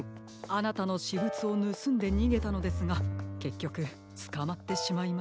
あなたのしぶつをぬすんでにげたのですがけっきょくつかまってしまいました。